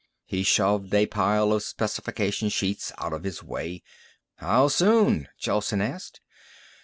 He shoved a pile of specification sheets out of his way. "How soon?" Gelsen asked.